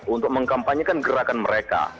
untuk mengkampanyekan gerakan mereka